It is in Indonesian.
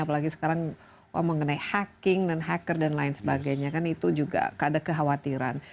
apalagi sekarang mengenai hacking dan hacker dan lain sebagainya kan itu juga ada kekhawatiran